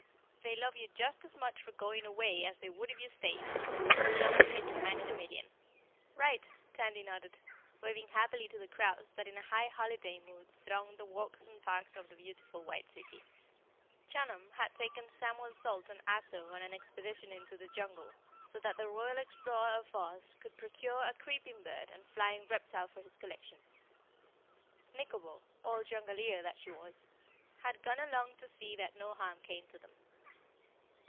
"They love you just as much for going away as they would if you stayed. And Chunum is a Man in a Million." "Right!" Tandy nodded, waving happily to the crowds that in a high holiday mood thronged the walks and parks of the beautiful White City. Chunum had taken Samuel Salt and Ato on an expedition into the jungle so that the Royal Explorer of Oz could procure a creeping bird and flying reptile for his collection. Nikobo, old jungaleer that she was, had gone along to see that no harm came to them.